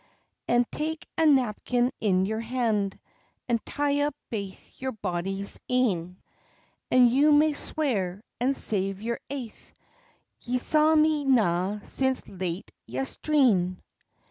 "And take a napkin in your hand, And tie up baith your bonny e'en, And you may swear, and save your aith, Ye saw me na since late yestreen."